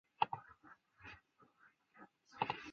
但仍有新的研究在挑战这一观点。